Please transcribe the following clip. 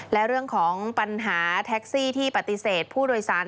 และเรื่องของปัญหาแท็กซี่ที่ปฏิเสธผู้โดยสาร